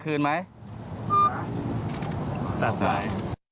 อืมเยี่๒๐๒๔